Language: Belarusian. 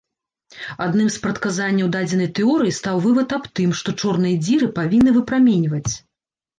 Адным з прадказанняў дадзенай тэорыі стаў вывад аб тым, што чорныя дзіры павінны выпраменьваць.